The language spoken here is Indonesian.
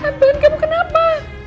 saya pengen gabung kenapa